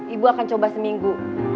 ibu akan coba seminggu